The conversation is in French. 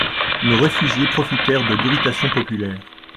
Nos réfugiés profitèrent de l'irritation populaire.